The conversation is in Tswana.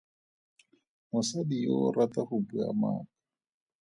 Mosadi yo o rata go bua maaka.